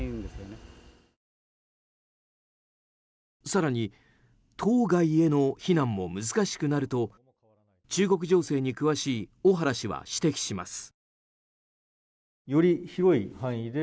更に島外への避難も難しくなると中国情勢に詳しい小原氏は指摘します。